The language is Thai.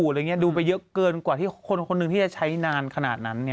อะไรอย่างนี้ดูไปเยอะเกินกว่าที่คนหนึ่งที่จะใช้นานขนาดนั้นไง